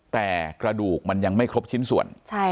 แต่กระดูกมันยังไม่ครบชิ้นส่วน